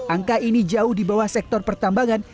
angka ini jauh di bawah sektor pertambangan